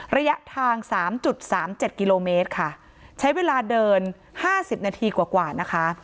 ระยะทางสามจุดสามเจ็ดกิโลเมตรค่ะใช้เวลาเดินห้าสิบนาทีกว่ากว่านะคะ